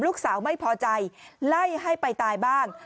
ลูกสาวไม่พอใจไล่ให้ไปตายบ้าง